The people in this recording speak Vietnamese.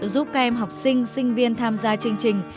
giúp các em học sinh sinh viên tham gia chương trình